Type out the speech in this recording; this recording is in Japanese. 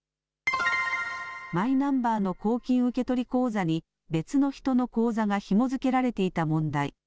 マイナンバーの公金受取口座に、別の人の口座がひも付けられていた問題。